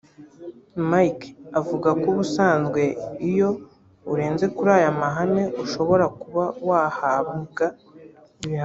Mike avuga ko ubusanzwe iyo urenze kuri aya mahame ushobora kuba wahabwa ibihano